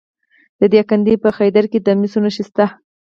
د دایکنډي په خدیر کې د مسو نښې شته.